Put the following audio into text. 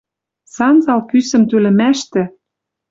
Санзал кӱсӹм тӱлӹмӓштӹ